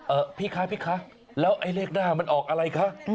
พี่คะพี่คะแล้วไอ้เลขหน้ามันออกอะไรคะ